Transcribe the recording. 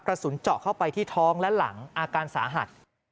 กระสุนเจาะเข้าไปที่ท้องและหลังอาการสาหัส